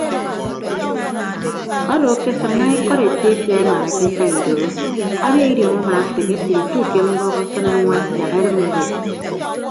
Odo akesịn daña ikọd etefia emaanake eka idoro abia idiọñ amaafeghe ate utu ke mbọk asịne añwan yak edịm edep.